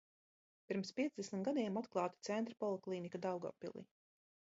Pirms piecdesmit gadiem atklāta Centra poliklīnika Daugavpilī.